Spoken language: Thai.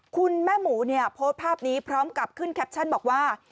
คุณแม่หมูเนี่ยโพสต์ภาพนี้พร้อมกับขึ้นแคปชั่นบอกว่า